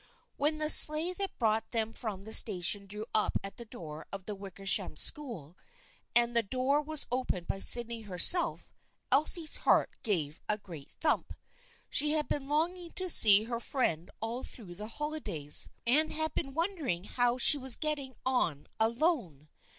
When the sleigh that brought them from the station drew up at the door of the Wickersham School, and the door was opened by Sydney herself, Elsie's heart gave a great thump. She had been longing to see her friend all through the holidays and had been wondering how she was getting on alone.